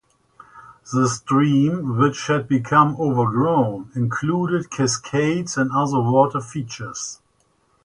The stream, which had become overgrown, included cascades and other water features.